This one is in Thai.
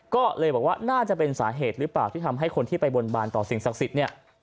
ก็เลยบอกว่าน่าจะเป็นสาเหตุหรือเปล่าที่ทำให้คนที่ไปบนบานต่อสิ่งศักดิ์สิทธิ์เนี่ย